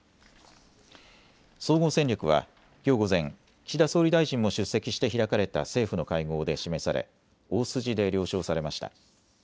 総合戦略はきょう午前、岸田総理大臣も出席して開かれた政府の会合で示され大筋で了承されました。